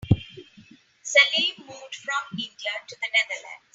Salim moved from India to the Netherlands.